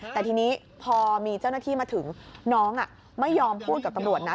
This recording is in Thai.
แต่ทีนี้พอมีเจ้าหน้าที่มาถึงน้องไม่ยอมพูดกับตำรวจนะ